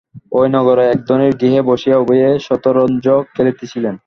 ঐ নগরের এক ধনীর গৃহে বসিয়া উভয়েই শতরঞ্চ খেলিতেছিলেন।